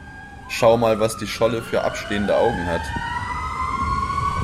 Schau mal, was die Scholle für abstehende Augen hat!